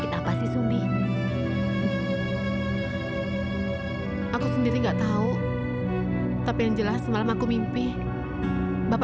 sampai jumpa di video selanjutnya